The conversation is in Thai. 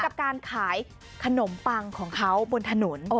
กับการขายขนมปังของเขาบนถนน